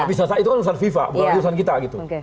bisa itu kan urusan viva bukan urusan kita gitu